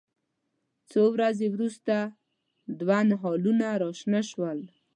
څو ورځې وروسته دوه نهالونه راشنه شول.